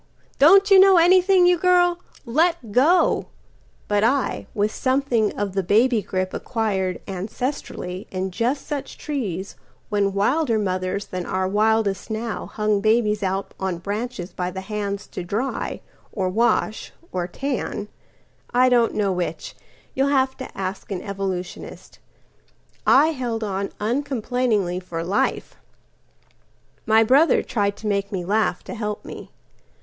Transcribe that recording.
Don't you know anything, you girl? Let go!"But I, with something of the baby gripAcquired ancestrally in just such treesWhen wilder mothers than our wildest nowHung babies out on branches by the handsTo dry or wash or tan, I don't know which,(You'll have to ask an evolutionist)—I held on uncomplainingly for life.My brother tried to make me laugh to help me.